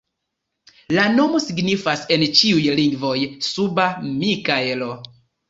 La nomo signifas en ĉiuj lingvoj: suba Mikaelo.